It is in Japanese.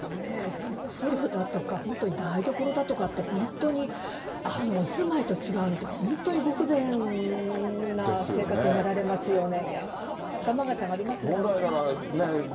お風呂だとか、本当に台所だとかって、本当にお住まいと違われて、本当にご不便な生活になられますよね。